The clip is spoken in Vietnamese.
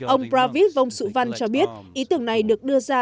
ông pravit vongsu van cho biết ý tưởng này được đưa ra